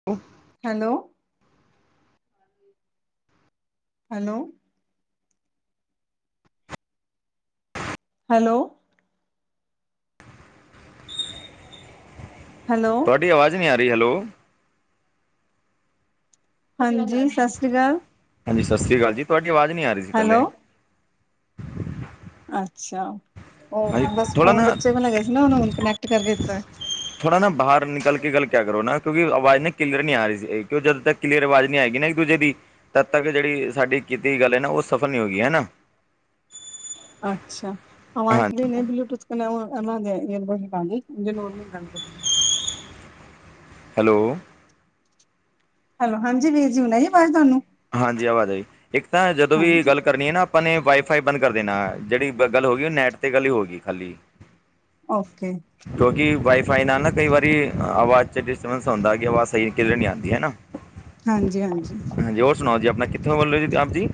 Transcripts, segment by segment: [unintelligible] Hello! Hello! Hello! Hello! ਤੁਹਾਡੀ ਆਵਾਜ਼ ਨੀ ਆ ਰਹੀ, ਹੈਲੋ! ਹਾਂਜੀ, ਸਤਿ ਸ੍ਰੀ ਅਕਾਲ। ਹਾਂਜੀ, ਸਤਿ ਸ੍ਰੀ ਅਕਾਲ ਜੀ। ਤੁਹਾਡੀ ਆਵਾਜ਼ ਨੀ ਆ ਰਹੀ ਸੀ ਹੈਲੋ ਪਹਿਲੇ। ਅੱਛਾ, ਉਹ ਹਾਂਜੀ ਬਸ ਥੋੜ੍ਹਾ ਫੋਨ ਨਾ ਬੱਚੇ ਕੋਲ ਹੈਗਾ ਸੀ ਨਾ। ਉਨ੍ਹਾ ਨੇ ਹੁਨੈ ਕਨੈਕਟ ਕਰਕੇ ਦਿੱਤੈ। ਥੋੜ੍ਹਾ ਨਾ ਬਾਹਰ ਨਿਕਲ ਕੇ ਗੱਲ ਕਰੋ ਨਾ, ਕੋਈ ਆਵਾਜ਼ ਨੀ, ਕਲੀਅਰ ਨੀ ਆ ਰਹੀ ਸੀ। ਕਿਉਂ ਜਦੋਂ ਤੱਕ ਕਲੀਅਰ ਅਵਾਜ ਨੀ ਆਏਗੀ ਇੱਕ ਦੂਜੇ ਦੀ, ਤਦ ਤੱਕ। ਜਿਹੜੀ ਸਾਡੀ ਕੀਤੀ ਗੱਲ ਹੈ ਨਾ, ਔਹ ਸਫਲ ਨੀ ਹੋਏਗੀ, ਹੈਨਾ। ਅੱਛਾ ਅਵਾਜ ਦੇਨ ਹਾਂਜੀ [unintelligible] [unintelligible] ਹੈਲੋ! ਹੈਲੋ, ਹਾਂਜੀ ਵੀਰ ਜੀ। ਹੁਨ ਆਈ ਏ ਆਵਾਜ਼ ਤੁਹਾਨੂੰ। ਹਾਂਜੀ, ਆਵਾਜ ਆਈ ਇੱਕ ਤਾਂ, ਜਦੋਂ ਵੀ ਹਾਂਜੀ ਗੱਲ ਕਰਨੀ ਏ ਨਾ ਆਪਾਂ ਨੇ ਵਾਈ- ਫਾਈ ਬੰਦ ਕਰ ਦੇਨਾ। ਜਿਹੜੀ ਗੱਲ ਹੋ ਗਈ, ਉਹ ਨੈਟ 'ਤੇ ਗੱਲ ਹੀ ਹੋਏਗੀ ਖਾਲੀ। ਓਕੇ। ਕਿਉਂਕਿ ਵਾਈ-ਫਾਈ ਨਾਲ ਨਾ, ਕਈ ਵਾਰੀ ਆਵਾਜ਼ 'ਚ ਡਿਸਟਰਬੈਂਸ ਹੁੰਦੈ। ਕਿ ਆਵਾਜ਼ ਸਹੀ ਕਲੀਅਰ ਨੀ ਆਂਦੀ, ਹੈਨਾ। ਹਾਂਜੀ- ਹਾਂਜੀ। ਹਾਂਜੀ ਹੋਰ ਸੁਣਾਓ ਜੀ ਆਪਣਾ ਕਿੱਥੋਂ ਬੋਲਹੇ ਹੋ ਜੀ ਆਪ ਜੀ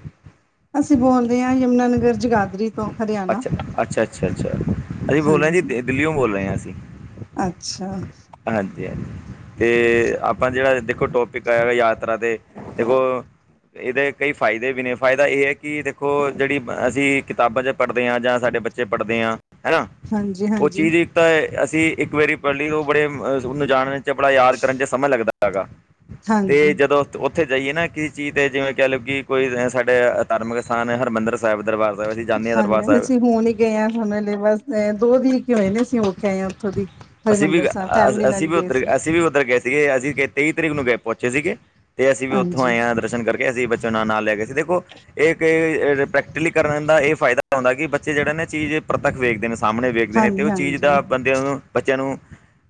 ਅਸੀਂ ਬੋਲਦੇ ਹਾਂ ਯਮੁਨਾਾਨਗਰ ਜਗਾਦਰੀ ਤੋਂ। ਹਰਿਆਣਾ ਅੱਛਾ ਅੱਛਾ ਅੱਛਾ ਅੱਛਾ ਅਸੀਂ ਬੋਲ ਰਹੇ ਹਾਂਜੀ। ਜੀ ਦਿੱਲੀਓ ਬੋਲ ਰਹੇ ਹਾਂ ਅਸੀਂ। ਅੱਛਾ। ਹਾਂਜੀ ਹਾਂਜੀ ਤੇ ਆਪਾਂ ਜਿਹੜਾ ਦੇਖੋ ਟੋਪਿਕ ਆਇਆ ਯਾਤਰਾ ਤੇ ਦੇਖੋ। ਇਹਦੇ ਕਈ ਫਾਇਦੇ ਵੀ ਨੇ ਫਾਇਦਾ ਇਹ ਹੈ ਕਿ ਦੇਖੋ ਜਿਹੜੀ ਅਸੀਂ ਕਿਤਾਬਾਂ 'ਚ ਪੜ੍ਹਦੇ ਹਾਂ ਜਾਂ ਸਾਡੇ ਬੱਚੇ ਪੜ੍ਹਦੇ ਹਾਂ ਹੈ ਨਾ ਹਾਂਜੀ ਉਹ ਹਾਂਜੀ ਚੀਜ਼ ਇੱਕ ਤਾਂ ਅਸੀਂ ਇੱਕ ਵਾਰੀ ਪੜ੍ਹਲੀ ਉਹ ਬੜੇ ਅਹ ਜਾਣਨ ਚ ਬੜਾ ਯਾਦ ਕਰਨ ਚ ਸਮਾਂ ਲੱਗਦਾ ਹੈਗਾ। ਤੇ ਹਾਂਜੀ ਜਦੋਂ ਉੱਥੇ ਜਾਈਏ ਨਾ ਕਿਸ ਚੀਜ਼ ਦੇ ਜਿਵੇਂ ਕਹਿ ਲਓ ਕਿ ਕੋਈ ਸਾਡੇ ਧਾਰਮਿਕ ਅਸਥਾਨ ਹਰਿਮੰਦਰ ਸਾਹਿਬ ਦਰਬਾਰ ਅਸੀ ਜਾਂਦੇ ਹਾਂ। ਦਰਬਾਰ ਹ ਸਾਹਿਬ ਅਸੀਂ ਹੁਣ ਹੀ ਗਏ ਹਾਂ ਹਾਨੂੰ ਬਸ ਦੋ ਦਿ ਕੇ ਹੋਏ ਨੇ ਅਸੀਂ ਹੋ ਕੇ ਆਏ ਹਾਂ ਉੱਥੋਂ ਦੀ। ਅਸੀਂ ਹਰਿਮੰਦਰ ਵੀ ਸਾਹਿਬ ਫੈਮਿਲੀ ਅ- ਨਾਲ ਅਸੀਂ ਹੀ ਵੀ ਗਏ ਉੱਧਰ ਸੀ। ਅਸੀਂ ਵੀ ਉੱਧਰ ਗਏ ਸੀਗੇ ਅਸੀਂ ਤੇਈ ਤਰੀਕ ਨੂੰ ਗਏ ਪਹੁੰਚੇ ਸੀਗੇ ਤੇ ਅਸੀਂ ਵੀ ਉੱਥੋਂ ਹਾਂਜੀ। ਆਏ ਹਾਂ ਦਰਸ਼ਨ ਕਰਕੇ। ਅਸੀਂ ਬੱਚਿਆਂ ਨਾਲ ਨਾਲ ਲੈ ਕੇ ਸੀ ਦੇਖੋ ਇਹ ਪ੍ਰੈਕਟੀਕਲੀ ਕਰਨ ਦਾ ਇਹ ਫਾਇਦਾ ਹੁੰਦਾ ਕਿ ਬੱਚੇ ਜਿਹੜਾ ਨਾ ਚੀਜ਼ ਪ੍ਰਤੱਖ ਵੇਖਦੇ ਨੇ ਸਾਹਮਣੇ ਵੇਖਦੇ ਨੇ ਤੇ ਹਾਂਜੀ ਉਹ ਚੀਜ਼ ਹਾਂਜੀ ਦਾ ਬੰਦਿਆਂ ਨੂੰ ਬੱਚਿਆਂ ਨੂੰ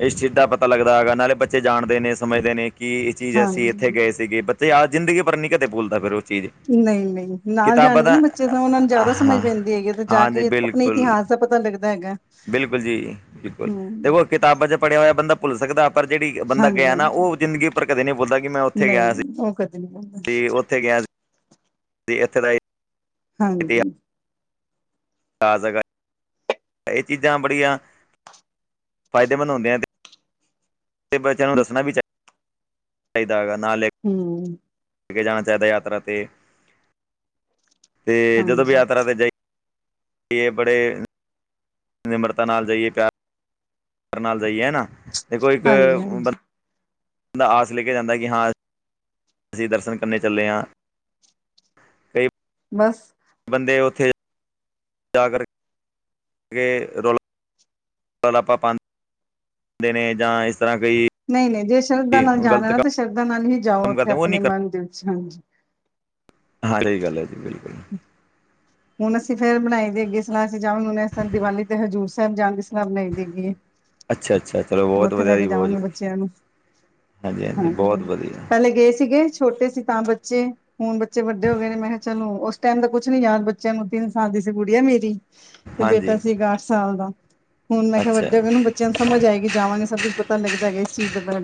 ਇਸ ਚੀਜ਼ ਦਾ ਪਤਾ ਲੱਗਦਾ ਹੈਗਾ ਨਾਲੇ ਬੱਚੇ ਜਾਣਦੇ ਨੇ ਸਮਝਦੇ ਨੇ ਕਿ ਚੀਜ਼ ਅਸੀਂ ਇੱਥੇ ਗਏ ਹਾਂਜੀ ਸੀਗੇ ਬੱਚੇ ਯਾਰ ਜ਼ਿੰਦਗੀ ਪਰ ਨੀ ਕਦੇ ਭੋਲਦਾ ਫਿਰ ਉਹ ਚੀਜ਼ ਨਹੀਂ ਨਹੀਂ ਨਾਲ ਕਿਤਾਬਾਂ ਜਾਣਗੇ ਨਾ ਦਾ ਬੱਚੇ ਤਾਂ ਉਹਨਾ ਨੂੰ ਜ਼ਿਆਦਾ ਸਮਝ ਹਾਂ ਪੈਂਦੀ ਹੈਗੀ ਜਾ ਹਾਂਜੀ ਕੇ ਆਪਣੇ ਬਿਲਕੁਲ ਇਤਿਹਾਸ ਦਾ ਪਤਾ ਲੱਗਦਾ ਹੈਗਾ ਬਿਲਕੁਲ ਜੀ ਬਿਲਕੁਲ ਹਮ ਦੇਖੋ ਕਿਤਾਬਾਂ ਚ ਪੜ੍ਹਿਆ ਹੋਇਆ ਬੰਦਾ ਭੁੱਲ ਸਕਦਾ ਪਰ ਜਿਹੜੀ ਬੰਦਾ ਹਾਂਜੀ ਗਿਆ ਨਾ ਹਾਂਜੀ ਉਹ ਜ਼ਿੰਦਗੀ ਉਪਰ ਕਦੇੀ ਬੋਲਦਾ ਮੈਂ ਨਹੀਂ ਉਹ ਕਦੇ ਨਹੀਂ ਆ ਤੇ ਉੱਥੇ ਗਿਆ ਸੀ ਇੱਥੇ ਦਾ ਹਾਂਜੀ ਤਾਜ਼ਾ ਗ ਇਹ ਚੀਜ਼ਾਂ ਬੜੀਆਂ ਫਾਇਦੇਮੰਦ ਹੁੰਦੀਆਂ ਬੱਚਿਆਂ ਨੂੰ ਦੱਸਣਾ ਵੀ ਚਾਹੀ ਚਾਹੀਦਾ ਹੈਗਾ ਨਾਲ ਲੈ ਕੇ ਹਮ ਕੇ ਜਾਣਾ ਚਾਹੀਦਾ ਯਾਤਰਾ ਤੇ ਤੇ ਜਦੋਂ ਵੀ ਹਾਂਜੀ ਯਾਤਰਾ ਤੇ ਜਾਈ ਬੜੇ ਨਿਮਰਤਾ ਨਾਲ ਜਾਈਏ ਪਿਆਰ ਨਾਲ ਜਾਈਏ ਨਾ ਤੇ ਕੋਈ ਇੱਕ ਹਾਂਜੀ ਬੰਦਾ ਹਾਂਜੀ ਬਦਾ ਆਸ ਲੈ ਕੇ ਜਾਂਦਾ ਕਿ ਹਾਂ ਅਸੀਂ ਦਰਸ਼ਨ ਕਰਨੇ ਚੱਲੇ ਹਾਂ ਕਈ ਬਸ ਬੰਦੇ ਉੱਥੇ ਜਾ ਕਰਕੇ ਰੋਲਾ ਆਪਾਂ ਪਾ ਦੇ ਨੇ ਜਾਂ ਇਸ ਤਰ੍ਹਾਂ ਕਈ ਨਹੀਂ ਨਹੀਂ ਜੇ ਸ਼ਰਧਾ ਜੀ ਨਾਲ ਗਲਤ ਜਾਣਾ ਨਾ ਤਾਂ ਕੰਮ ਸ਼ਰਧਾ ਨਾਲ ਹੀ ਜਾਓ ਉੱਥੇ ਕਰਦੇ ਉਹ ਆਪਣੇ ਨਹੀਂ ਕਰ ਮਨ ਦੇ ਵਿੱਚ ਹਾਂਜੀ ਹਾਂ ਰਹੀ ਗੱਲ ਹੈ ਜੀ ਬਿਲਕੁਲ ਹੁਣ ਅਸੀਂ ਫੇਰ ਬਣਾਈ ਦੇਗੀਏ ਸਲਾਹ ਅਸੀਂ ਜਾ ਹੁ ਦੀਵਾਲੀ ਤੇ ਹਜ਼ੂਰ ਸਾਹਿਬ ਜਾਣ ਦੀ ਸਲਾਹ ਬਣਾਈ ਦੇਗੀਏ ਅੱਛਾ ਅੱਛਾ ਚਲੋ ਹੁਣ ਬਹੁਤ ਉੱਥੇ ਲੈ ਵਧੀਆ ਕੇ ਜੀ ਬਹੁਤ ਜਾਵਾਂਗੇ ਬੱਚਿਆਂ ਨੂੰ ਹਾਂਜੀ ਹ ਪਹਿਲੇ ਗਏ ਸੀਗੇ ਛੋਟੇ ਸੀ ਤਾਂ ਬੱਚੇ ਹੁਣ ਬੱਚੇ ਵੱਡੇ ਹੋ ਗਏ ਨੇ ਮੈਂ ਕਿਹਾ ਚਲੋ ਉਸ ਟਾਈਮ ਦਾ ਕੁਛ ਨੀ ਯਾਦ ਬੱਚਿਆਂ ਨੂੰ ਤਿੰਨ ਸਾਲ ਦੀ ਸੀ ਕੁੜੀ ਹੈ ਮੇਰੀ ਤੇ ਹਾਂਜੀ ਬੇਟਾ ਸੀਗਾ ਅੱਠ ਸਾਲ ਦਾ ਹੁਣ ਮੈਂ ਕਿਹਾ ਅੱਛਾ ਵੱਡ ਹੋ ਉਹਨੂੰ ਬੱਚਿਆਂ ਨੂੰ ਸਮਝ ਆਏਗੀ ਜਾਵਾਂਗੇ ਸਭ ਕੁੱਝ ਪਤਾ ਲੱਗਦਾ ਹੈਗਾ ਇਸ ਚੀਜ਼ ਦੇ ਬਾਰੇ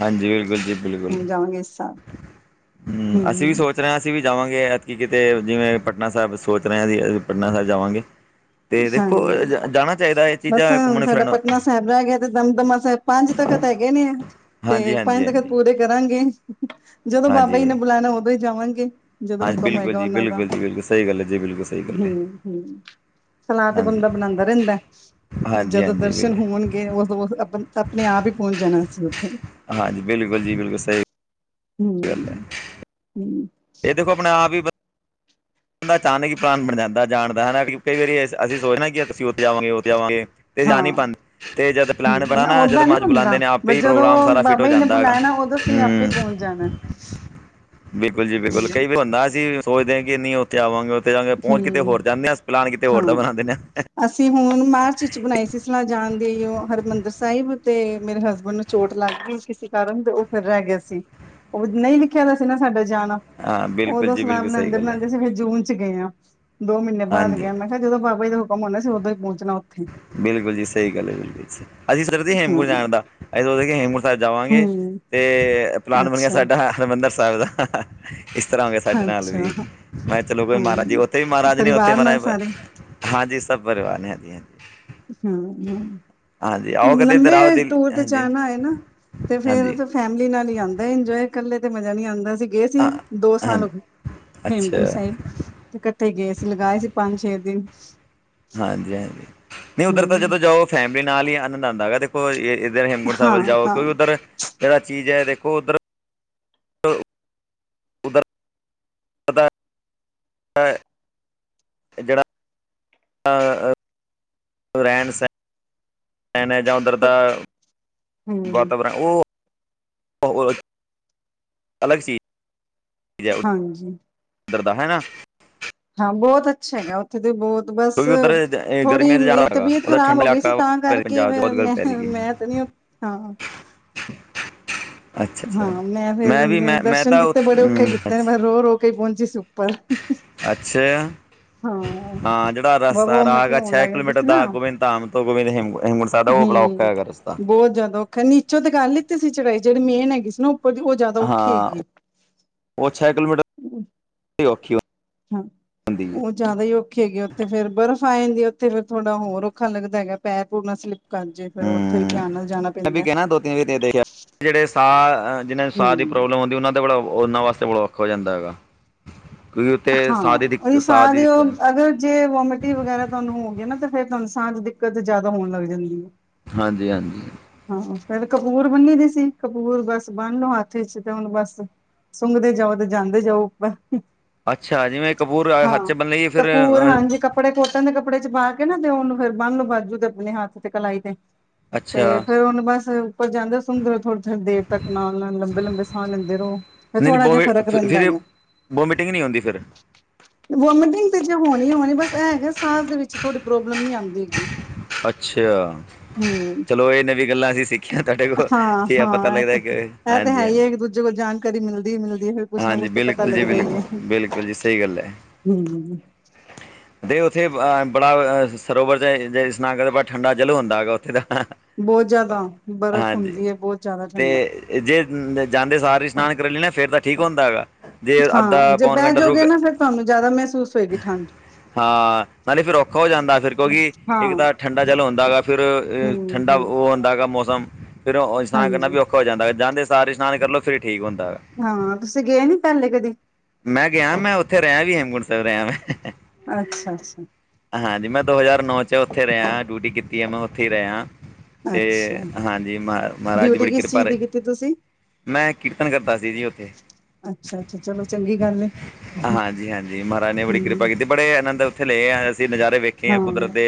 ਹਾਂਜੀ ਬਿਲਕੁਲ ਜੀ ਬਿਲਕੁਲ ਹੁਣ ਜਾਵਾਂਗੇ ਇਸ ਸਾਲ। ਹਮ ਹੂੰ ਅਸੀਂ ਵੀ ਸੋਚ ਰਹੇ ਹਾਂ ਅਸੀਂ ਵੀ ਜਾਵਾਂਗੇ ਕੀ ਕਿਤੇ ਜਿਵੇਂ ਪਟਨਾ ਸਾਹਿਬ ਸੋਚ ਰਹੇ ਹ ਸੀ ਅਸੀਂ ਪਟਨਾ ਸਾਹਿਬ ਜਾਵਾਂਗੇ ਤੇ ਦੇਖੋ, ਹਾਂਜੀ ਹਾਂਜੀ ਜਾਣਾ ਚਾਹੀਦਾ ਇਹ ਬਸ ਚੀਜ਼ਾਂ ਹੁਣ ਘੁੰਮਣ ਸਾਡਾ ਫਿਰਨ ਪਟਨਾ ਸਾਹਿਬ ਰਹਿ ਗਿਆ ਤੇ ਦਮਦਮਸ ਸਾਹਿਬ ਪੰਜ ਤਖ਼ਤ ਹੈਗੇ ਨੀ ਹੈ ਹਾਂਜੀ ਤੇ ਹਾਂਜੀ ਪੰਜ ਤਖ਼ਤ ਹਾਂਜੀ ਪੂਰੇ ਕਰਾਂਗੇ। ਜਦੋਂ ਬਾਬਾ ਜੀ ਨੇ ਹਾਂਜੀ ਬੁਲਾਣਾ ਉਦੋਂ ਹੀ ਜਾਵਾਂਗੇ। ਜਦੋਂ ਹਾਂਜੀ ਹੁਕਮ ਬਿਲਕੁਲ ਹੋਏਗਾ, ਜੀ ਉਹਨਾਂ ਦਾ ਬਿਲਕੁਲ ਜੀ ਬਿਲਕੁਲ ਸਹੀ ਗੱਲ ਹੈ ਜੀ ਬਿਲਕੁਲ ਸਹੀ ਗੱਲ ਹੈ ਹਮ ਹਮ ਸਲਾਹ ਤੇ ਹਾਂਜੀ ਬੰਦਾ ਬਣਾਉਂਦਾ ਰਹਿੰਦਾ ਹਾਂਜੀ ਜਦੋਂ ਹਾਂਜੀ ਦਰਸ਼ਨ ਵੀਰੇ ਹੋਣਗੇ, ਉਦੋਂ ਆਪਣੇ ਆਪ ਹੀ ਪਹੁੰਚ ਜਾਣਾ ਸੀ ਉੱਥੇ ਹਾਂਜੀ ਬਿਲਕੁਲ ਜੀ, ਬਿਲਕੁਲ ਸਹੀ ਗੱਲ ਹੈ ਹਮ ਹਮ ਇਹ ਦੇਖੋ ਆਪਣੇ ਆਪ ਹੀ ਦਾ ਚਾਨਕ ਕਿ ਪ੍ਰਲਣ ਬਣ ਜਾਂਦਾ ਜਾਣ ਦਾ ਹਨਾ। ਕਈ ਵਾਰੀ ਅਸੀਂ ਸੋਚਣਾ, ਕਿ ਅਸੀਂ ਉੱਥੇ ਜਾਵਾਂਗੇ ਉੱਥੇ ਜਾਵਾਂਗੇ। ਤੇ ਜਾ ਹਾਂ ਨਹੀਂ ਪਾਉਂ ਤੇ ਜਦ ਹੂੰ ਪਲੈਨ ਬਣਾ ਨਾ, ਜਦੋਂ ਓਦਾਂ ਨੀ ਮੱਜ ਬੰਦਾ ਬੁਲਾਦੇ ਨੇ ਬ ਆਪੇ ਹੀ ਜਦੋਂ ਪ੍ਰੋਗਰਾਮ ਸਾਰਾ ਫਿਟ ਹੋ ਬਾਬਾ ਜੀ ਨੇ ਜਾਂਦਾ ਹੈਗਾ। ਬੁਲਾਣਾ ਅਸੀਂ ਆਪੇ ਹੂੰ ਪੋਂਚ ਜਾਣਾ ਬਿਲਕੁਲ ਜੀ, ਬਿਲਕੁਲ ਹੂੰ ਕਈ ਵੀ ਹੁੰਦਾ ਸੀਂ। ਸੋਚਦੇ ਹ, ਕਿ ਨਹੀਂ ਉੱਥੇ ਆਵਾਂ, ਉੱਥੇ ਜਾਾਂਗੇ, ਪੋਂਚ ਕਿਤੇ ਹੂੰ ਹੋਰ ਜਾਂਦੇ ਹਾਂ, ਅ ਪਲਾਨ ਕਿਤੇ ਹਾਂ ਹੋਰ ਬਣਾ ਦਿੰਦੇ ਹਾਂ। ਅਸੀਂ ਹੁਣ ਮਾਰਚ ਵਿਚ ਬਣਾਈ ਸੀ ਸਲਾਹ ਜਾਾਨ ਦੀ, ਉਹ ਹਰਿਮੰਦਰ ਸਾਹਿਬ, ਤੇ ਮੇਰੇ ਹਸਬੈਂਡ ਨੂੰ ਚੋਟ ਲੱਗ ਗਈ ਕਿਸੇ ਕਾਰਨ ਤੇ ਉਹ ਫਿਰ ਰੈ ਗਿਆ ਸੀ। ਉਹ ਨਹੀਂ ਲਿਖਿਆ ਦਾ ਸੀ ਨਾ ਸਾਡਾ ਜਾਣਾ। ਹਾਂ ਬਿਲਕੁਲ ਉਦੋਂ ਜੀ ਸਲਾਮ ਬਿਲਕੁਲ ਸਹੀ ਬਣਾਦੇ- ਗੱਲ ਹੈ ਬਣਾਦੇ ਸੀ ਫਿਰ ਜੂਨ ਗਏ ਹਾਂ, ਦੋ ਮਹੀਨੇ ਬਾਦ ਹਾਂਜੀ ਗੇਆ, ਮੈਂ ਕਿਹਾ ਜਦੋਂ ਬਾਬਾਜੀ ਦਾ ਹੁਕਮ ਹੋਂਦਾ ਸੀ। ਉਦੋਂ ਹੀ ਪੋਂਚਣਾ ਉੱਥੇ ਬਿਲਕੁਲ ਜੀ, ਸਹੀ ਗੱਲ ਹੈ। ਬਿਲਕੁਲ ਅਸੀਂ ਸਰਦੇ ਹੇਮਕੁਟ ਹਮ ਜਾਣ ਦਾ, ਅਸੀਂ ਹੇਮਕੁਟ ਸਾਬ ਜਾਵਾਂਗੇ। ਹਮ ਤੇ ਪਲਾਨ ਬਣ ਗਿਆ, ਅੱਛਾ ਸਾਡਾ ਹਰਿਮੰਦਰ ਸਾਬ ਦਾ ਇਸ ਤਰ੍ਹਾਂ ਹੋ ਗਿਆ ਸਾਡੇ ਨਾਲ ਵੀ, ਅੱਛਾ ਮੈਂ ਕਿਹਾ ਚਲੋ ਕੋਈ ਮਹਾਰਾਜੀ ਹਮ ਉੱਥੇ ਵੀ ਮਹਾਰਾਜ ਨੇ ਉੱਥੇ ਪਰਿਵਾਰ ਨਾਲ ਸਾਰੇ ਮਹਾਰਾਜ ਹਾਂਜੀ ਸਭ ਪਰਿਵਾਨ ਹੈ ਜੀਆਂ ਹਾਂ ਹ ਹਾਂਜੀ ਆਓ ਕਦੇ ਇੱਧਰ ਲੰਬੇ ਆਓ ਦਿੱਲੀ ਟੂਰ ਤੇ ਹਾਂਜੀ ਜਾਣਾ ਆਏ ਨਾ ਤੇ ਹਾਂਜੀ ਫੇਿਰ ਫੈਮਿਲੀ ਨਾਲ ਹੀ ਆਂਦਾ, ਇੰਜੋਏ ਇਕੱਲੇ ਤੇ ਮਜ਼ਾ ਨੀ ਆਂਦਾ। ਗਏ ਸੀ ਹਾਂ ਦੋ ਸਾਲ ਹਾਂਜੀ ਹੋਗੇ ਅੱਛਾ ਹੇਮਕੁੰਟ ਸਾਬ ਤੇ ਇਕੱਠੇ ਗਏ ਸੀ ਲਗਾਏ ਸੀ ਪੰਜ ਛੇ ਦਿਨ ਹਾਂਜੀ -ਹਾਂਜੀ ਨਹੀਂ ਉੱਧਰ ਤਾਂ ਹਮ ਜਦੋਂ ਜਾਓ ਫੈਮਿਲੀ ਨਾਲ ਹੀ ਆਨੰਦ ਆਂਦਾ ਹੈਗਾ ਤੇ ੋ ਇੱਧਰ ਹੇਮਗੁੰਟ ਸਾਹਿਬ ਵੱਲ ਹਾਂ ਜਾਓ, ਹਾਂ ਕਿਉਂਕਿ ਉੱਧਰ ਜੇੜਾ ਚੀਜ਼ ਹੈ ਦੇਖੋ ਉੱਧਰ ਤਾਂ ਜੇੜਾ ਰੈਣ ਸੈਣ ਨ ਜਾਂ ਉੱਧਰ ਦਾ ਹਮ ਵਾਤਾਵਰਨ ਉਹ ਹੋ ਅਲਗ ਸੀਜ਼ ਹਾਂਜੀ ਇੱਧਰ ਦਾ ਹੈ ਨਾ ਹਾਂ ਬੋਤ ਅੱਛਾ ਹੈਗਾ। ਉਥੇ ਤੇ ਬੋਤ ਬਸ ਕਿਉਂਕਿ ਉਧਰ ਥੋੜ੍ਹੀ ਗਰਮੀਆਂ 'ਚ ਮੇਰੀ ਜ਼ਿਆਦਾ ਹੈਗਾ ਤਬੀਅਤ ਉਹਦਾ ਖ਼ਰਾਬ ਠੰਡਾ ਹੋ ਗਈ ਸੀ, ਇਲਾਕਾ ਤਾਂ ਪੈ- ਕਰਕੇ ਪੰਜਾਬ 'ਚ ਫੇਿਰ ਬਹੁਤ ਗਰਮੀ ਮੈਂ ਪੈ ਰਹੀ ਹੈ ਮੈਂ- ਨ ਹਾਂ ਅੱਛਾ ਅੱਛਾ ਹਾਂ, ਮੈਂ ਵੀ ਫੇਿਰ ਮੈਂ ਮੈਂ ਦਰਸ਼ਨ ਤਾਂ ਉ- ਕੀਤੇ, ਬੜੇ ਔਖੇ ਹਮ, ਕੀਤੇ, ਨੇ ਮੈਂ ਅੱਛਾ ਰੋ ਰੋ ਕੇ ਪੋਂਚੀ ਸੀ ਉੱਪਰ ਅੱਛਾ। ਹਾਂ ਹਾਂ ਜੇੜਾ ਬ ਰਸਤਾ ਵੋਮਟਿੰਗ ਰਾਗਾ ਹੋਣ ਛੇ ਲੱਗ ਜਾਂਦੀ ਕਿਲੋਮੀਟਰ ਸੀ ਨਾ ਦਾ ਗੋਬਿੰਦ ਧਾਮ ਤੋਂ ਹੇਮਕੁੰਟਸਾਬ ਦਾ ਸਾਡਾ ਉਹ ਬੜਾ ਔਖਾ ਹੈਗਾ ਰਸਤਾ ਉਹ ਜਦੋਂ ਨੀਚੋ ਤੇ ਕਰ ਲਿੱਤੀ ਸੀ ਚੜਾਈ, ਜੇੜੀ ਮੇਨ ਹੈਗੀ ਸੀ, ਨਾ ਉਪਰ ਦੀ ਉਹ ਜ਼ਿਆਦਾ ਹਾਂ ਔਖੀ ਹੈਗੀ ਹੈ ਹ ੋਕੀਓ ਹਾਂ ਉਹ ਜ਼ਿਆਦਾ ਹੀ ਔਖੇ ਹੈਗੇ ਉੱਥੇ ਫੇਰ ਬਰਫ਼ ਆ ਜਾਂਦੀ ਹੈ। ਉੱਥੇ ਫਿਰ ਥੋੜ੍ਹਾ ਹੋਰ ਔਖਾ ਲੱਗਦਾ ਹੈ ਪੈਰ ਪੂਰ ਣਾ ਸਲਿੱਪ ਕਰ ਜੇ ਫਿਰ ਉੱਥੇ ਵੀ ਹਮ ਧਿਆਨ ਨਾਲ ਜਾਣਾ ਮੈਂ ਵੀ ਪੈਂਦਾ। ਕਹਿਣਾ ਦੋ ਤਿੰਨ ਵਾਰੀ ਤੇ ਦੇਖਿਆ ਜਿਹੜੇ ਸਾਹ ਜਿਹਨਾਂ ਸਾਹ ਦੀ ਹੂੰ ਪ੍ਰੋਬਲਮ ਹੁੰਦੀ, ਉਹਨਾਂ ਵਾਸਤੇ ਬੜਾ ਔਖਾ ਹੋ ਜਾਂਦਾ ਹੈਗਾ। ਕਿਉਂ ਉੱਥੇ ਹਾਂ ਸਾਹ ਦੀ ਉਹੀ ਸਾਹ ਦੀ ਦੇ ਦਿਕੱਤ। ਉਹ ਅਗਰ ਜੇ ਵੋਮਿਟਿੰਗ ਵਗੈਰਾ ਤੁਹਾਨੂੰ ਹੋ ਗਈ ਨਾ। ਤਾਂ ਫੇਰ ਤੁਹਾਨੂੰ ਸਾਹ ਦੀਦਿੱਕਤ ਜਿਆਦਾ ਹੋਣ ਲੱਗ ਜਾਂਦੀ ਹੈ। ਹਾਂਜੀ, ਹਾਂਜੀ। ਹਾਂ ਫੇਰ ਕਪੂਰ ਬੰਨੀ ਦੀਸੀ। ਕਪੂਰ ਬਸ ਬੰਨ ਲੋ ਹੱਥ ਚ ਤੇ ਹੁਣ ਬਸ ਸੁੰਘਦੇ ਜਾਓ, ਤੇ ਜਾਂਦੇ ਜਾਓ, ਉੱਪਰ। ਅੱਛਾ, ਜਿਵੇਂ ਕਪੂਰ ਹੱਥ ਚ ਬਨੀ ਫੇਰ ਤੇ ਕੋਟਨ ਦੇ ਕੱਪੜੇ ਚ ਪਾ ਕੇ ਨਾ ਤੇ ਉਹਨ ਫੇਰ ਬਨਲੌ ਬਾਜੂ ਤੇ, ਆਪਣੇ ਹੱਥ ਤੇ, ਕਲਾਈ ਤੇ ਤੇ ਅੱਛਾ ਫੇਰ ਉਹ ਨੂੰ ਬਸ ਉੱਪਰ ਜਾਂਦੇ ਸੁੰਘਦੇ ਥੋੜੇ ਥੋੜੇ ਦੇਰ ਤੱਕ ਨਾਲ ਲੰਬੇ ਲੰਬੇ ਸਾਹ ਲੈਂਦੇ ਰਹੋ ਫੇਰ ਥੋੜ੍ਹਾ ਜਿਹਾ ਫਰਕ ਰਹਿੰਦਾ ਹੈਗਾ ਵੋਮੀਟਿੰਗ ਨਹੀਂ ਹੋਂਦੀ ਫੇਰ ਵੋਮੀਟਿੰਗ ਤੇ ਚ ਹੋਣੀ ਹੋਣੀ ਬਸ ਅਹ ਹੈ ਸਾਹ ਦੇ ਵਿੱਚ ਥੋੜੀ ਪ੍ਰੋਬਲਮ ਨੀ ਆਉਂਦੀ ਹੈਗੀ। ਅੱਛਾ, ਹੂੰ, ਚਲੋ ਇਹ ਨਵੀਂ ਗੱਲਾਂ ਅਸੀਂ ਸਿ ਕਿ ਤੁਹਾਡੇ ਕੋਲ ਹਾਂ, ਜ ਪਤਾ ਲੱਗਦਾ ਕਿ ਹਾਂਜੀ, ਹਾਂਜੀ ਜਦੋ ਕੋਲ ਜਾਣਕਾਰੀ ਮਿਲਦੀ ਮਿਲਦੀ ਹੈ। ਫੇਰ ਕੁਛ ਨਾ ਹਾਂਜੀ ਕੁਛ ਤੇ ਪਤਾ ਬਿਲਕੁਲ ਜੀ ਲੱਗਦਾ ਹੀ ਏ ਬਿਲਕੁਲ ਹੂੰ ਬਿਲਕੁਲ ਜੀ ਸਹੀ ਗੱਲ ਹੈ ਹੂੰ ਦੇ ਉੱਥੇ ਅ ਬੜਾ ਸਰੋਵਰ ਚ ਇਸਨਾਨ ਕਰ ਬੜਾ ਠੰਡਾ ਜਲ ਹੁੰਦਾ ਹੈਗਾ ਉੱਥੇ ਦਾ ਬਹੁਤ ਜਿਆਦਾ ਬਰਫ਼ ਹਾਂਜੀ ਹੁੰਦੀ ਹੈ। ਬਹੁਤ ਜਿਆਦਾ ਠੰਡਾ ਤੇ ਜੇ ਜਾਂਦੇ ਸਾਰ ਇਸ਼ਨਾਨ ਕਰ ਲੈ ਨਾ ਫੇਰ ਤਾਂ ਠੀਕ ਹੁੰਦਾ ਹੈਗਾ ਜੇ ਹਾਂ ਅੱਧਾ ਜੇ ਪੌਣ ਬਹਿ ਘੰਟਾ ਰੁਕ ਜਾਉਗੇ ਨਾ ਫੇਰ ਤੁਹਾਨੂੰ ਜ਼ਿਆਦਾ ਮਹਿਸੂਸ ਹੋਏਗੀ ਠੰਡ ਹਾਂ ਨਾਲੈ ਫਿਰ ਔਖਾ ਹੋ ਜਾਂਦਾ ਫੇਰ ਕਿਉਂਕਿ ਹਾਂ ਇੱਕ ਤਾਂ ਠੰਡਾ ਜਲ ਹੁੰਦਾ ਗਾ ਫੇਰ ਹੂੰ, ਠੰਡਾ ਹੂੰ ਉਹ ਹੁੰਦਾ ਗਾ ਮੌਸਮ ਫੇਰ ਉਹ ਇਸ਼ਨਾਨ ਕਰਨਾ ਹਾਂਜੀ ਵੀ ਔਖਾ ਹੋ ਜਾਂਦਾ ਹੈ ਜਾਂਦੇ ਸਾਰ ਇਸ਼ਨਾਨ ਕਰ ਲੋ ਫਿਰ ਠੀਕ ਹੁੰਦਾ ਹਾਂ ਤੁਸੀਂ ਗਏ ਨੀ ਪਹਿਲੇ ਕਦੀ ਮੈਂ ਗਿਆ ਮੈਂ ਉੱਥੇ ਰਿਹਾ ਵੀ ਹੇਮਕੁੰਟ ਸਾਹਿਬ ਰਿਹਾ ਮੈਂ ਅੱਛਾ, ਅੱਛਾ, ਹਾਂਜੀ ਮੈਂ ਦੋ ਹਜ਼ਾਰ ਨੌ ਚ ਉੱਥੇ ਰਿਹਾ ਡਿਊਟੀ ਕੀਤੀ ਹੈ। ਮੈਂ ਉੱਥੇ ਹੀ ਰਿਹਾ। ਤੇ ਅੱਛਾ ਹਾਂਜੀ ਮ ਮਹਾਰਾਜ ਦੀ ਡਿਊਟੀ ਬੜੀ ਕਿਸ ਕਿਰਪਾ ਚੀਜ਼ ਰਹੀ ਦੀ ਕੀਤੀ ਤੁਸੀਂ ਮੈਂ ਕੀਰਤਨ ਕਰਦਾ ਸੀ ਜੀ ਉੱਥੇ ਅੱਛਾ ਚਲੋ ਚੰਗੀ ਗੱਲ ਹੈ। ਹਾਂਜੀ, ਹਾਂਜੀ, ਮਹਾਰਾਜ ਨੇ ਹੂੰ, ਬੜੀ ਕਿਰਪਾ ਕੀਤੀ ਬੜੇ ਆਨੰਦ ਉੱਥੇ ਲਏ ਆ ਅਸੀਂ ਨਜ਼ ਵੇਖੇ ਆ ਕੁਦਰਤ ਹਾਂ, ਦੇ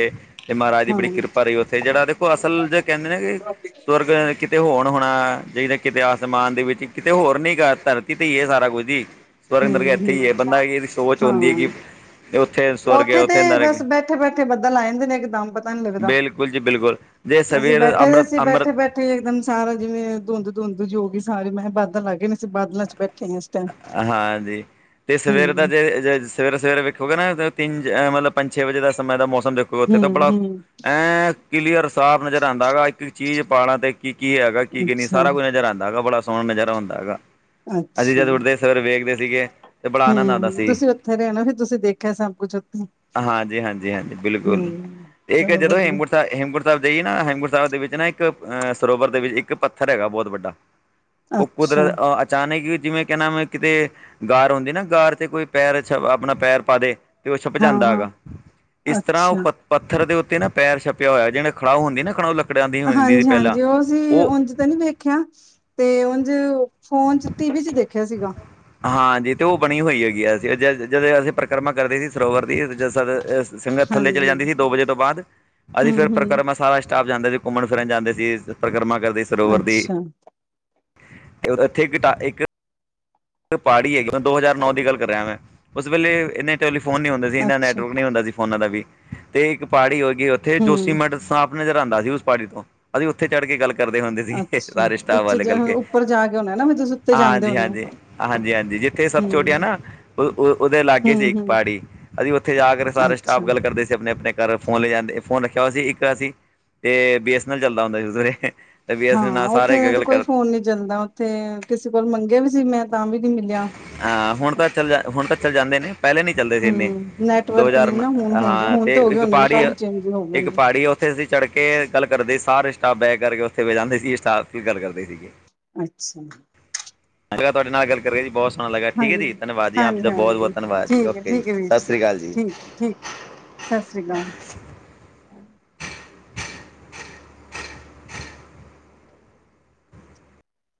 ਤੇ ਮਹਾਰਾਜ ਦੀ ਹਾਂ ਬੜੀ ਹੂੰ, ਕਿਰਪਾ ਰਹੀ। ਉੱਥੇ ਜਿਹੜਾ ਦੇਖੋ ਅਸਲ ਜੇ ਕਹਿੰਦੇ ਨੇ ਕਿ ਸਵਰਗ ਆ ਕਿਤੇ ਹੋਣ ਬਣਾਇਆ ਕਿਤੇ ਆਸਮਾਨ ਦੇ ਵਿੱਚ ਕਿਤੇ ਹੋਰ ਨੀ ਧਰਤੀ ਤੇ ਹੀ ਹੇ ਸਾਰਾ ਕੁਝ ਹੀ ਸਵਰਗ ਨਰਕ ਹੂੰ ਇੱਥੇ ਹੈ ਹੂੰ ਬੰਦਾ ਇਹਦੀ ਸੋਚ ਹੁੰਦੀ ਹੈ ਹਾਂ। ਕਿ ਉੱਥੇ ਸਵਰਗ ਹੈ ਉੱਥੇ ਤੇ ਨਰਕ ਹੈ। ਬਸ ਬੈਠੇ ਬੈਠੇ ਬੱਦਲ ਆ ਜਾਂਦੇ ਨੇ। ਇੱਕ ਦਮ ਪਤਾ ਨਹੀਂ ਲੱਗਦਾ ਬਿਲਕੁਲ ਜੀ ਬਿਲਕੁਲ ਜੇ ਅਸੀਂ ਸਵੇਰ ਬੈਠੇ ਦੇ ਅੰਮ੍ਰਿਤ ਸੀ। ਅੰਮ੍ਰਿਤ ਬੈਠੇ ਬੈਠੇ ਬੈਠੇ ਇੱਕਦਮ ਸਾਰਾ ਜਿਵੇਂ ਧੁੰਦ ਧੁੰਦ ਜੀ ਹੋ ਗਈ ਸਾਰੇ। ਮੈਂ ਕਿਹਾ ਬਾਦਲ ਆ ਗਏ ਨੇ ਬਾਦਲਾਂ ਚ ਬੈਠੇ ਹਾਂ। ਹਾਂਜੀ ਤੇ ਸਵੇਰ ਦਾ ਜੇ ਸਵੇਰੇ ਸਵੇਰੇ ਵੇਖੋਗੇ ਨਾ ਤਿੰਨਹ ਮਤਲਬ ਪੰਜ ਛੇ ਵਜੇ ਦਾ ਸਮੇਂ ਦਾ ਮੌਸਮ ਦੇਖੋਗੇ। ਉੱਥੇ ਤਾਂ ਬੜਾ ਹੂੰ-ਹੂੰ-ਹੂੰ ਐਂ ਕਲੀਅਰ ਸਾਫ਼ ਨਜ਼ਰ ਆਉਂਦਾ ਹੈਗਾ। ਇੱਕ ਚੀਜ਼ ਪਾਲਾਂ ਤੇ ਕੀ ਕੀ ਹੈਗਾ ਕੀ ਕੀ ਨਹੀਂ ਅੱਛਾ। ਸਾਰਾ ਕੁਝ ਨਜ਼ਰ ਆਉਂਦਾ ਹੈਗਾ। ਬੜਾ ਸੋਹਣਾ ਨਜ਼ਾਰ ਆਉਂਦਾ ਹੈਗਾ। ਅਸੀਂ ਅੱਛਾ ਜਦ ਉੱਠਦੇ ਸਵੇਰੇ ਵੇਖਦੇ ਸੀਗੇ ਤੇ ਬੜਾ ਆਨੰਦ ਆਂਦਾ ਹੂੰ ਸੀ। ਤੁਸੀਂ ਉੱਥੇ ਰਹੇ ਨਾ ਫਿਰ ਤੁਸੀਂ ਦੇਖਿਆ ਸਭ ਕੁਛ ਉੱਥੇ ਹਾਂਜੀ‌, ਹਾਂਜੀ, ਹਾਂਜੀ ਬਿਲਕੁਲ ਹੂੰ। ਏਹ ਕਹ ਚਲੋ ਜਦੋ ਵਧੀਆ ਹੇਮਕੁੰਟ ਹੇਮਕੁੰਟ ਸਾਹਿਬ ਜਾਈਏ ਨਾ ਹੇਮਕੁੰਟਸਾਹਿਬ ਦੇ ਵਿੱਚ ਨਾ ਇੱਕ ਅਹ ਸਰੋਵਰ ਦੇ ਵਿੱਚ ਇੱਕ ਪੱਥਰ ਹੈਗਾ ਬਹੁਤ ਵੱਡਾ ਉਹ ਅੱਛਾ ਕੁਦਰਤ ਅਚਾਨਕ ਹੀ ਜਿਵੇਂ ਕਹਿੰਣਾ ਮ ਕਿਤੇ ਗਾਰ ਹੁੰਦੀ ਨਾ ਗਾਰ ਤੇ ਕੋਈ ਪੈਰ ਛ ਆਪਣਾ ਪੈਰ ਪਾ ਦੇ ਤੇ ਉਹ ਛਪ ਜਾਂਦਾ ਹਾਂ-ਹਾਂ ਹੈਗਾ। ਇਸ ਤਰ੍ਹਾਂ ਉਹ ਅੱਛਾ। ਪੱਥਰ ਦੇੱ ਉਤੇ ਨਾ ਪੈਰ ਛਪਿਆ ਹੋਇਆ। ਜਿਹੜ ਖੜਾਹ ਹੁੰਦੀ ਨਾ ਖੜਾਹ ਹਾਂਜੀ, ਹਾਂਜੀ ਉਹ ਸੀ ਉਂਜ ਤਾਂ ਨੀ ਵੇਖਿਆ ਤੇ ਉਝ ਫੋਨ ਚ, ਟੀ ਵੀ ਚ, ਦੇਖਿਆ ਸੀਗਾ, ਹਾਂਜੀ ਤੇ ਉਹ ਬਣੀ ਹੋਈ ਹੈਗੀ ਆ, ਅਸੀਂ ਜ ਜਦੋਂ ਅਸੀਂ ਪਰਿਕਰਮਾ ਕਰਦੇ ਸੀ ਸਰੋਵਰ ਦੀ ਸੰਗਤ ਥੱਲੇ ਚਲੇ ਹਾਂਜੀ ਜਾਂਦੀ ਸੀ ਦੋ ਵਜੇ ਤੋਂ ਬਾਅਦ ਅਸੀਂ ਫਿਰ ਹੂੰ-ਹੂੰ। ਪਰਿਕਰਮਾ ਸਾਰਾ ਸਟਾਫ ਜਾਂਦਾ ਸੀ, ਘੁੰਮਣ ਫਿਰਨ ਜਾਂਦੇ ਸੀ, ਪਰਿਕਰਮਾ ਕਰਦੇ ਸਰੋਵਰ ਦੀ, ਅੱਛਾ-ਅੱਛਾ। ਇੱਥੇ ਗਾ ਇੱਕ, ਪਾੜੀ ਹੈਗੀ ਮ ਦੋ ਹਜ਼ਾਰ ਨੌ ਦੀ ਗੱਲ ਕਰ ਰਿਹਾ ਮੈਂ ਉਸ ਵੇਲੇ ਇੰਨੇ, ਤੇ ਓਦੋ ਫੋਨ ਨਹੀ ਹੁੰਦੇ ਸੀ, ਏਨਾ ਨੈਟਵਰਕ ਨਹੀਂ ਹੁੰਦਾ ਸੀ ਫੋਨਾ ਦਾ ਵੀ ਤੇ ਇੱਕ ਪਾੜੀ ਹੋ ਗਈ ਉੱਥੇ ਜੋ ਹੂੰ, ਸੀਮੇਂਟ ਸਾਫ ਨਜ਼ਰ ਆਂਦਾ ਸੀ, ਉਸ ਪਾੜੀ ਤੋਂ ਅਸੀਂ ਉੱਥੇ ਚੜ੍ਹ ਕੇ ਗੱਲ, ਕਰਦੇ ਹੁੰਦੇ ਸੀਗੇ ਅੱਛਾ ਸਾਰੇ ਸਟਾਫ ਉੱਚੇ ਵਾਲੇ ਜਾ ਰਲਕੇ ਉੱਪਰ ਜਾ ਕੇ ਹੋਣਾ ਨਾ ਫਿਰ ਤੁਸੀਂ ਉੱਤੇ ਜਾਂਦੇ ਹਾਂਜੀ ਹੋਣੇ ਹੋ। -ਹਾਂਜੀ, ਹਾਂਜੀ -ਹਾਂਜੀ ਜਿੱਥੇ ਸਭ ਛੋਟੀਆਂ ਹੂੰ, ਨਾ, ਓ--ਉਹਦੇ ਲਾਗੇ ਸੀ ਹੂੰ, ਇੱਕ ਹੂੰ ਪਾੜੀ, ਅਸੀਂ ਉੱਥੇ ਜਾ ਕੇ ਸਾਰੇ ਅੱਛਾ ਸਟਾਫ ਗੱਲ ਕਰਦੇ ਸੀ ਆਪਣੇ -ਆਪਣੇ, ਘਰ ਫੋਨ ਲੈ ਜਾਂਦੇ ਫੋਨ ਰੱਖਿਆ ਹੋਇਆ ਸੀ, ਇੱਕ ਅ ਸੀ ਤੇ ਬੀ ਐਸ ਐਨ ਐੱਲ ਚੱਲਦਾ ਹੁੰਦਾ ਸੀ ਉਸ ਵੇਲੇ, ਤੇ ਬੀ ਐਸ ਐਨ ਐਲ ਨਾਲ ਹਾਂ ਉੱਥੇ ਸਾਰੇ ਤਾਂ ਗੱਲ ਕੋਈ ਕਰ ਫੋਨ ਨੀ ਚੱਲਦਾ, ਉੱਥੇ ਕਿਸੇ ਕੋਲ ਮੰਗੇਆ ਵੀ ਸੀ ਮੈਂ ਤਾਂ ਵੀ ਨੀ ਮਿਲਿਆ, ਆ, ਹੁਣ ਤੱਕ ਚੱਲ ਹੁਣ ਤੱਕ ਚੱਲ ਜਾਂਦੇ ਨੇ ਪਹਿਲੇ ਨਈ, ਚੱਲਦੇ ਸੀ ਇੰਨੇ ਹੂੰ, ਦੋ ਨੈਟਵਰਕ ਨੀ ਚਾਰ ਨਾ ਹੁਣ ਹੋ ਜਾ ਹਾਂ ਹੁਣ ਤੇ ਹੋ ਗਏ ਇੱਕ ਹੁੰਦੇ ਨੇ ਪਾੜੀ- ਕਾਫੀ ਚੇਂਜ ਹੋ ਗਏ ਇੱਕ ਨੇ। ਪਾੜੀ, ਔ ਉੱਥੇ ਅਸੀਂ ਚੜ੍ਹ ਕੇ ਗੱਲ ਕਰਦੇ ਸੀ, ਸਾਰੇ, ਸਟਾਫ ਬੈਕ ਕਰਕੇ ਉੱਥੇ ਜਾਂਦੇ ਸੀ, ਸਟਾਫ ਦੀ ਗੱਲ ਕਰਦੇ ਸੀਗੇ, ਅੱਛਾ [unintelligible] ਅਗਰ ਤੁਹਾਡੇ ਨਾਲ ਆ ਗੱਲ ਕਰੀਏ ਜੀ ਬੋਤ, ਹੋਣ ਲੱਗਾ ਠੀਕ ਹੈ ਹਾਂਜੀ, ਜੀ ਧੰਨਵਾਦੀ ਹਾ, ਆਪ ਜੀ ਹਾਂਜੀ, ਦਾ ਬੋਤ ਹਾਂਜੀ -ਬੋਤ ਧੰਨਵਾਦ, ਠੀਕ ਹੈ, ਓਕੇ ਜੀ ਠੀਕ ਹੈ ਵੀਰ ਸਤਿ ਸ਼੍ਰੀ ਅਕਾਲ ਜੀ। ਠੀਕ, ਹੈ, ਠੀਕ ਸਤਿ ਸ਼੍ਰੀ ਅਕਾਲ,,